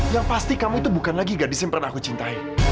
yang pasti kamu itu bukan lagi gadis yang pernah aku cintai